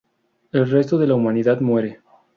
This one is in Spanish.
El resto de la humanidad muere.